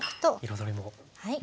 彩りも。